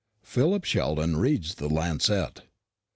PHILIP SHELDON READS THE "LANCET."